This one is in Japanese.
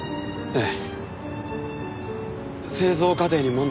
ええ。